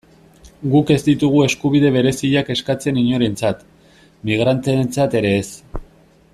Guk ez ditugu eskubide bereziak eskatzen inorentzat, migranteentzat ere ez.